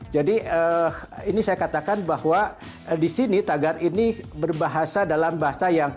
jadi ini saya katakan bahwa disini tagar ini berbahasa dalam bahasa yang